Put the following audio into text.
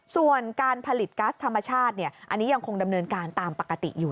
ส่วนการผลิตก๊าซธรรมชาติอันนี้ยังคงดำเนินการตามปกติอยู่